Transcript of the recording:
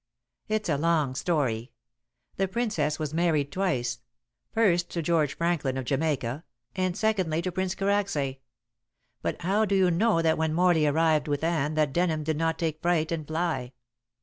"It's a long story. The Princess was married twice, first to George Franklin, of Jamaica, and secondly to Prince Karacsay. But how do you know that when Morley arrived with Anne that Denham did not take fright and fly?"